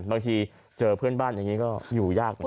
บางทีเจอเพื่อนบ้านอย่างนี้ก็อยู่ยากไง